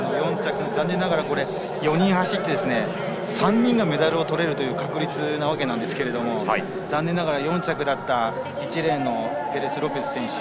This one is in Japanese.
４人走って、３人がメダルをとれるという確率なわけなんですが残念ながら４着だった１レーンのペレスロペス選手